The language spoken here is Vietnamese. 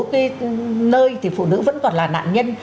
cái nơi thì phụ nữ vẫn còn là nạn nhân